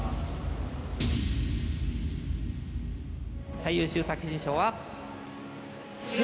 最優秀作品賞は。